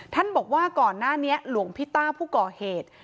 ท่านบอกว่าก่อนหน้านี้หลวงพี่ต้าผู้ก่อเหตุ